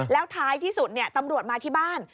แล้วท้ายที่สุดตำรวจมาที่บ้าน